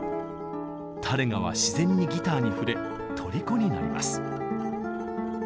タレガは自然にギターに触れとりこになります。